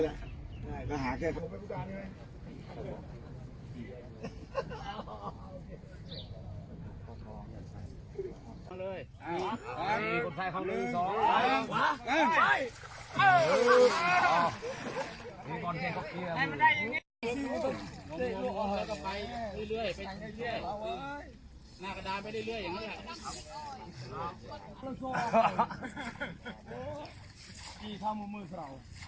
นาคดาไม่ได้เลือกอย่างนี้อ่ะอ๋อ